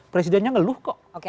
presidennya ngeluh kok